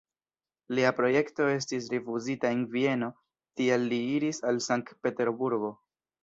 Lia projekto estis rifuzita en Vieno, tial li iris al Sankt-Peterburgo.